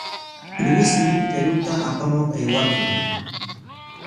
Luismi qiruta apamuq aywarqun.